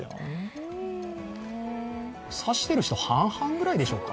傘を差している人、半々ぐらいでしょうか。